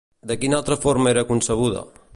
De quina altra forma era concebuda?